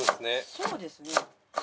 そうですね。